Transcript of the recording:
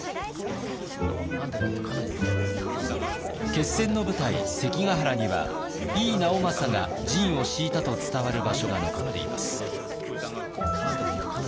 決戦の舞台関ヶ原には井伊直政が陣を敷いたと伝わる場所が残っています。